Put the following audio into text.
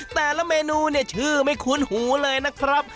แต่ละเมนูเนี่ยชื่อไม่คุ้นหูเลยนะครับ